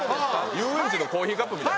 遊園地のコーヒーカップみたい。